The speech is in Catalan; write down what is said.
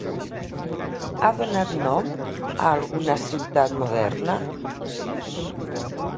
Ha donat nom a alguna ciutat moderna?